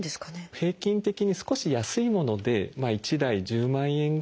平均的に少し安いもので１台１０万円ぐらいします。